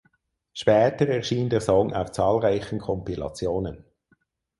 Später erschien der Song auf zahlreichen Kompilationen.